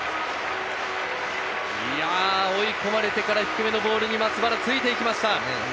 追い込まれてから低めのボールに松原、ついていきました。